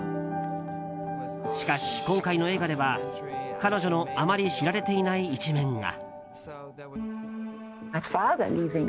しかし、今回の映画では彼女のあまり知られていない一面が。